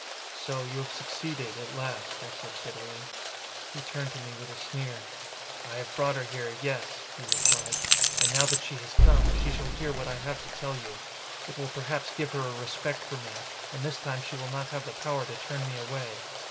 "So you have succeeded at last," I said bitterly. He turned to me with a sneer. "I have brought her here, yes," he replied. "And now that she has come, she shall hear what I have to tell you. It will perhaps give her a respect for me, and this time she will not have the power to turn me away."